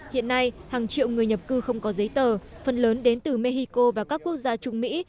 hiện nay hàng triệu người nhập cư không có giấy tờ phần lớn đến từ mexico và các quốc gia trung mỹ